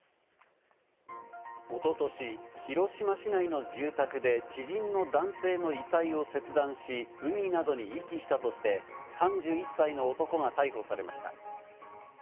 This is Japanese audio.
おととし、広島市内の住宅で知人の男性の遺体を切断し、海などに遺棄したとして３１歳の男が逮捕されました。